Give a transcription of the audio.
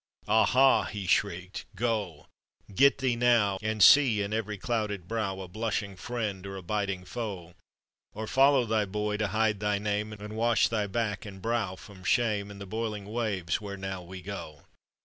"Aha," he shrieked, " go, get the« now, And see in every clouded brow A blushing friend or a biting foe, Or follow thy boy to hide thy name, And wash thy back and brow from *hame In the boiling waves where now we go."